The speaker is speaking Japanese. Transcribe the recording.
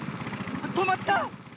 とまった！